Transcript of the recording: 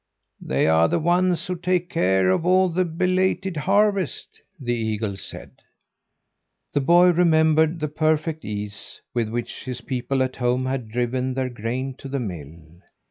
"They are the ones who take care of all the belated harvest," the eagle said. The boy remembered the perfect ease with which his people at home had driven their grain to the mill.